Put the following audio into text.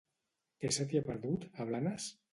Què se t'hi ha perdut, a Blanes?